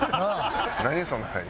その入り。